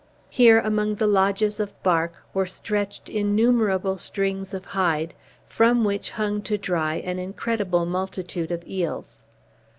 Here, among the lodges of bark, were stretched innumerable strings of hide, from which hung to dry an incredible multitude of eels.